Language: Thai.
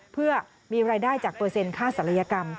เพื่อมีรายได้จากเปอร์เซ็นค่าศัลยกรรม